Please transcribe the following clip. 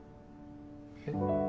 えっ？